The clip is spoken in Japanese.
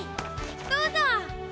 どうぞ。